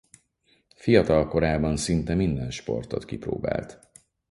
Fiatal korában szinte minden sportot kipróbált.